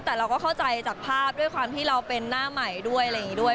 แต่เราก็เข้าใจจากภาพด้วยความที่เราเป็นหน้าใหม่ด้วย